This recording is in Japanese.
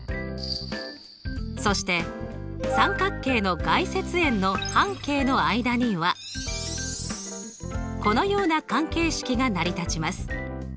そして三角形の外接円の半径の間にはこのような関係式が成り立ちます。